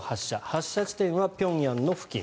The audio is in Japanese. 発射地点は平壌付近。